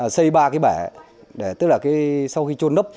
thuê ba cái bẻ tức là sau khi trôn đấp